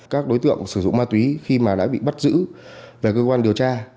các đối tượng sử dụng ma túy khi mà đã bị bắt giữ về cơ quan điều tra